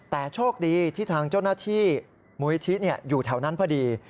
แต่โชคดีที่ทางเจ้าหน้าที่มูลนิธิอยู่แถวนั้นพอดี